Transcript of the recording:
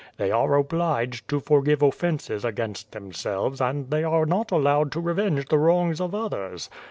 They are obliged to forgive offenses against themselves and they are not allowed to revenge the wrongs of others.